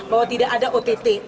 bahwa tidak ada ott